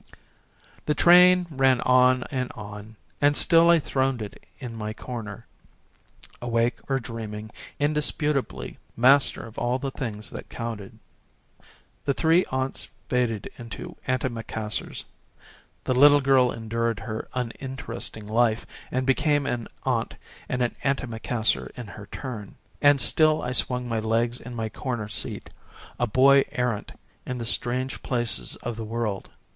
The train ran on and on, and still I throned it in my corner, awake or dream ing, indisputably master of all the things that counted. The three aunts faded into antimacassars ; the little girl endured her uninteresting life and became an aunt and an antimacassar in her turn, and still I swung my legs in my corner seat, a boy errant in the strange places of the world.